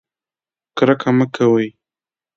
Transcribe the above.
کرکه مه کوئ